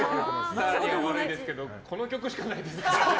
スターには悪いですけどこの曲しかない。